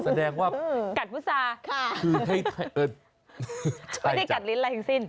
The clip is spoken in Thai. อ๋อแสดงว่ากลัดพุษาไม่ได้กลัดฤทธิ์อะไรถึงสิ้น